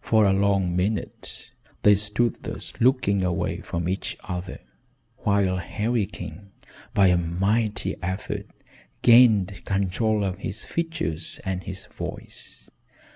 For a long minute they stood thus looking away from each other, while Harry King, by a mighty effort, gained control of his features, and his voice.